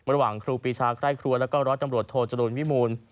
ระหว่างครูปีชาใกล้ครัวและก็รถตำรวจโทจรุณวิมูล